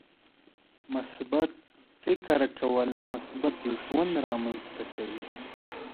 • مثبت فکر کول، مثبت ژوند رامنځته کوي.